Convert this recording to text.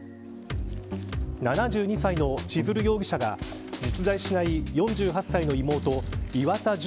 ７２歳の千鶴容疑者が実在しない４８歳の妹岩田樹